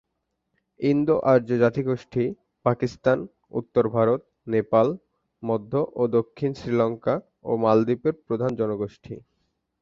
ইন্দো-আর্য জাতিগোষ্ঠী পাকিস্তান, উত্তর ভারত, নেপাল, মধ্য ও দক্ষিণ শ্রীলঙ্কা ও মালদ্বীপের প্রধান জনগোষ্ঠী।